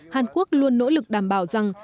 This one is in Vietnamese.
hàn quốc luôn nỗ lực đảm bảo rằng